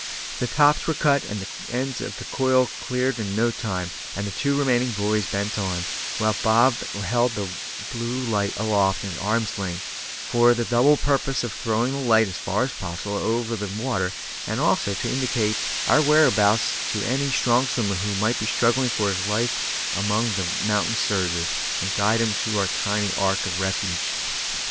The stops were cut and the ends of the coil cleared in no time, and the two remaining buoys bent on, while Bob held the blue light aloft at arm's length, for the double purpose of throwing the light as far as possible over the water, and also to indicate our whereabouts to any strong swimmer who might be struggling for his life among the mountain surges, and to guide him to our tiny ark of refuge.